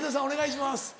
お願いします。